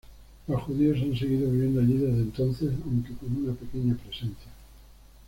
Los judíos han seguido viviendo allí desde entonces, aunque con una pequeña presencia.